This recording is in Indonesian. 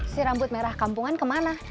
si rambut merah kampungan kemana